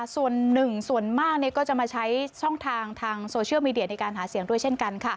ส่วนหนึ่งส่วนมากก็จะมาใช้ช่องทางทางโซเชียลมีเดียในการหาเสียงด้วยเช่นกัน